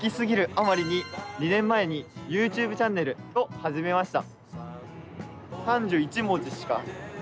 あまりに、２年前にＹｏｕＴｕｂｅチャンネルを始めました。